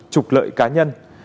trục lợi cá nhân